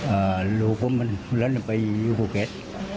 อ่าลูกผมมันรันไปยูโฟเก็ต